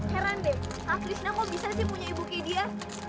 heran deh kak krishna kok bisa sih punya ibu kayak dia